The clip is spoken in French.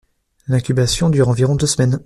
L’incubation dure environ deux semaines.